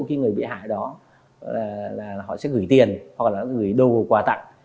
khi người bị hại đó là họ sẽ gửi tiền hoặc là gửi đồ quà tặng